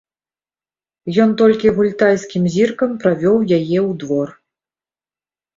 Ён толькі гультайскім зіркам правёў яе ў двор.